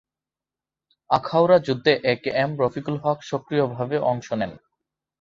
আখাউড়া যুদ্ধে A K M Rafiqul Haque সক্রিয়ভাবে অংশ নেন।